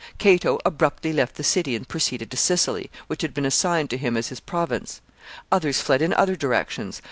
Cato abruptly left the city and proceeded to Sicily, which had been assigned him as his province. Others fled in other directions.